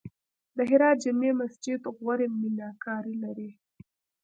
د هرات جمعې مسجد غوري میناکاري لري